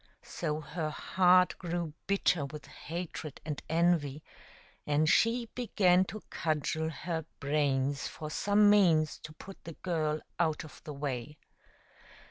So her heart grew bitter with hatred and envy, and she began to cudgel her brains for some means to put the girl out of the way.